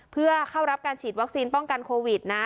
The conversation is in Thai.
เพื่อเข้ารับการฉีดวัคซีนป้องกันโควิดนะ